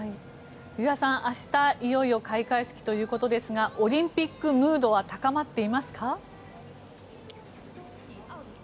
湯屋さん、明日いよいよ開会式ということですがオリンピックムードは高まっていますか？